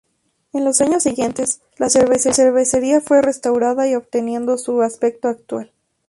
En los años siguientes, la cervecería fue restaurada y obteniendo su aspecto actual.